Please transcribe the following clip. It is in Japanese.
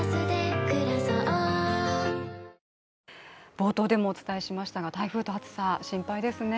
冒頭でお伝えしましたように台風と暑さ、心配ですね。